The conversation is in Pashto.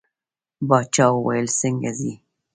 باچا وویل څنګه ځې.